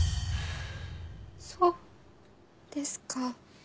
そうですか。